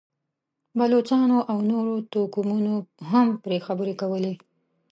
بلوڅانو او نورو توکمونو هم پرې خبرې کولې.